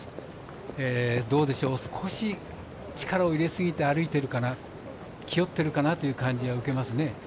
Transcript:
少し力を入れすぎて歩いているかな気負っているかなということが見受けられますね。